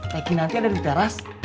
teh kinanti ada diteras